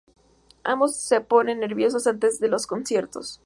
Ambos se ponen nerviosos antes de los conciertos.